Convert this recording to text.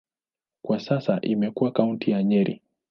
Kwa sasa imekuwa kaunti ya Nyeri.